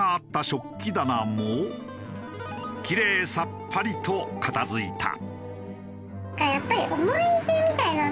食器棚もキレイさっぱりと片付いた。